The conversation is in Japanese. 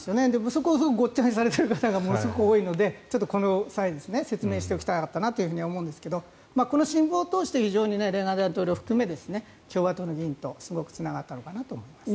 そこをごっちゃにされている方がものすごく多いのでちょっとこの際、説明しておきたかったなと思うんですがこの新聞を通して非常にレーガン大統領含め共和党の議員とすごくつながったのかなと思います。